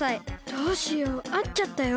どうしようあっちゃったよ。